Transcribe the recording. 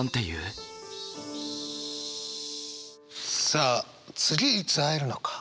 さあ次いつ会えるのか。